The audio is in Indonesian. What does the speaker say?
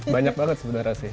banyak banget sebenarnya sih